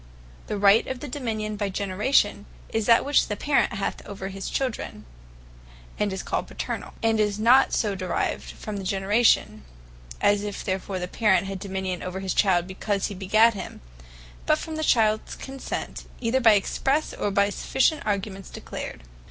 The right of Dominion by Generation, is that, which the Parent hath over his Children; and is called PATERNALL. And is not so derived from the Generation, as if therefore the Parent had Dominion over his Child because he begat him; but from the Childs Consent, either expresse, or by other sufficient arguments declared.